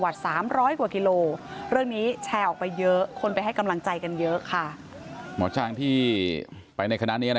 ไปรักษาดูแลชาวบ้านชายขอบห่างไกล